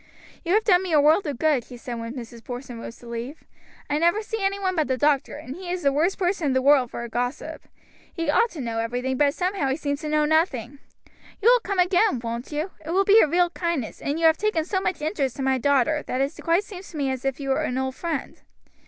"You have done me a world of good," she said when Mrs. Porson rose to leave. "I never see any one but the doctor, and he is the worst person in the world for a gossip. He ought to know everything, but somehow he seems to know nothing. You will come again, won't you? It will be a real kindness, and you have taken so much interest in my daughter that it quite seems to me as if you were an old friend."